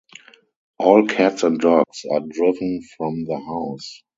All cats and dogs are driven from the house.